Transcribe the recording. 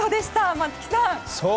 松木さん。